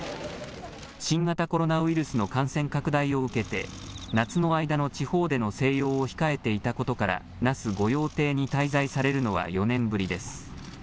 新型コロナウイルスの感染拡大を受けて、夏の間の地方での静養を控えていたことから、那須御用邸に滞在されるのは４年ぶりです。